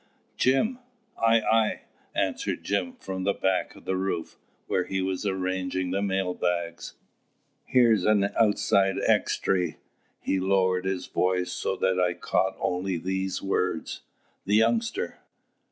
"Jim!" "Ay, ay!" answered Jim, from the back of the roof, where he was arranging the mail bags. "Here's an outside extry." He lowered his voice, so that I caught only these words: "The youngster